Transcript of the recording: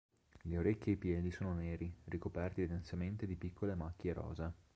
Le orecchie e i piedi sono neri, ricoperti densamente di piccole macchie rosa.